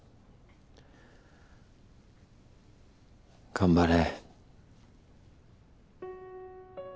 頑張れ。